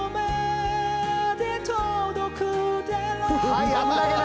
はい危なげない。